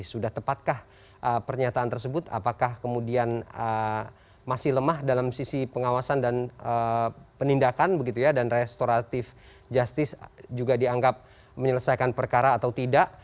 sudah tepatkah pernyataan tersebut apakah kemudian masih lemah dalam sisi pengawasan dan penindakan begitu ya dan restoratif justice juga dianggap menyelesaikan perkara atau tidak